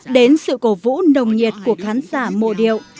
đến sự cổ vũ nồng nhiệt của khán giả mộ điệu